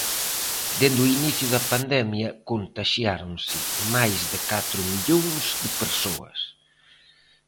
Dende o inicio da pandemia contaxiáronse máis de catro millóns de persoas.